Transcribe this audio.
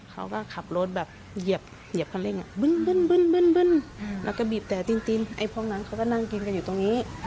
เขาก็ขับรถแบบเย็บฮันเร่งมันก็บีบแต่ตีนไอ้พ่อนั้นเขาก็นั่งกินกันอยู่ตรงนี้